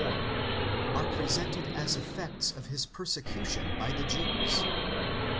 54) are presented as effects of his persecution by the Jews.